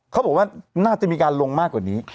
เขาบอกว่าน่าจะมีการลงมากกว่านี้